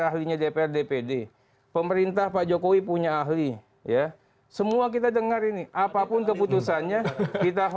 ahlinya dpr dpd pemerintah pak jokowi punya ahli ya semua kita dengar ini apapun keputusannya kita